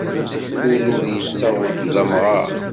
Ul ur yettaweḍ d amɣar.